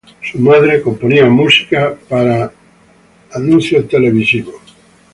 Su madre componía jingles para publicidades televisivas.